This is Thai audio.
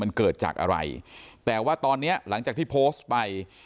มันเกิดจากอะไรแต่ว่าตอนเนี้ยหลังจากที่โพสต์ไป